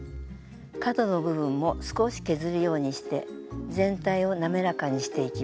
角の部分も少し削るようにして全体を滑らかにしていきます。